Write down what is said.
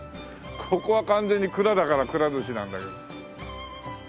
ここは完全に蔵だから「蔵鮨」なんだけど。